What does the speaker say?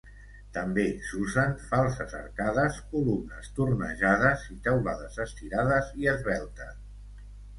També s'usen falses arcades, columnes tornejades i teulades estirades i esveltes.